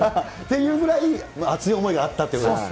っていうぐらい、熱い思いがあったってこと？